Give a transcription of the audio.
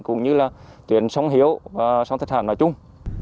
cũng như là tuyển sống hiếu và sống thịt hạm nói chung